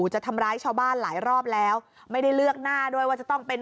จะทำร้ายชาวบ้านหลายรอบแล้วไม่ได้เลือกหน้าด้วยว่าจะต้องเป็น